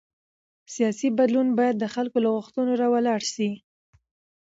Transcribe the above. سیاسي بدلون باید د خلکو له غوښتنو راولاړ شي